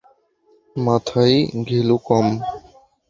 মাথায় ঘিলু কম।